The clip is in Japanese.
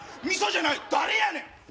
味噌じゃない誰やねん？